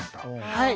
はい。